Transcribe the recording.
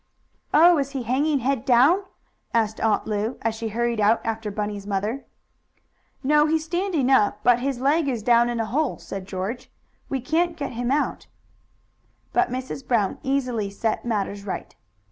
"Oh, is he hanging head down?" asked Aunt Lu, as she hurried out after Bunny's mother. "No, he's standing up, but his leg is down in a hole," said George. "We can't get him out." But Mrs. Brown easily set matters right.